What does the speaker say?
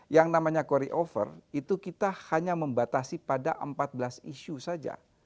yang namanya carry over itu kita hanya membatasi pada empat belas isu saja